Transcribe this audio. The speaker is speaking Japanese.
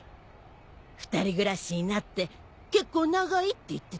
２人暮らしになって結構長いって言ってたわよね。